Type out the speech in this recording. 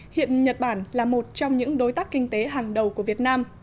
hiện nhật bản là một trong những đối tác kinh tế hàng đầu của việt nam